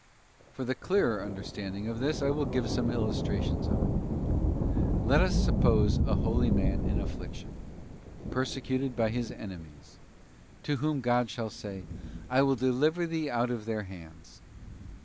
. For the clearer understanding of this I will give some illustrations of it. Let us suppose a holy man in affliction, persecuted by his enemies, to whom God shall say, 'I will deliver thee out of their hands.